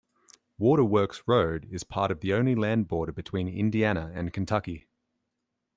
Waterworks Road is part of the only land border between Indiana and Kentucky.